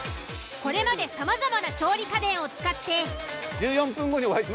これまでさまざまな調理家電を使って。